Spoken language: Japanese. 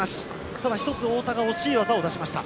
ただ太田が１つ惜しい技を出しました。